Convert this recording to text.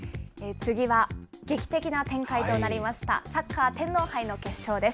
次は劇的な展開となりました、サッカー天皇杯の決勝です。